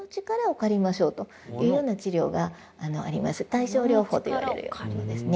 対症療法といわれるようなものですね